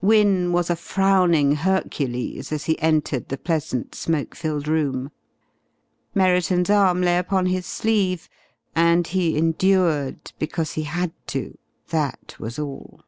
Wynne was a frowning Hercules as he entered the pleasant smoke filled room. Merriton's arm lay upon his sleeve, and he endured because he had to that was all.